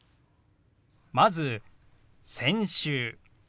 まず「先週」。